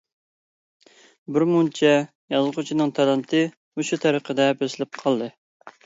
بىرمۇنچە يازغۇچىنىڭ تالانتى مۇشۇ تەرىقىدە بېسىلىپ قالدى.